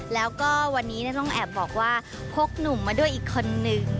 แล้วก็วันนี้ต้องแอบบอกว่าพกหนุ่มมาด้วยอีกคนนึง